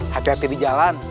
hati hati di jalan